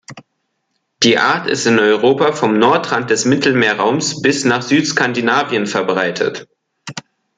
Die Art ist in Europa vom Nordrand des Mittelmeerraums bis nach Südskandinavien verbreitet.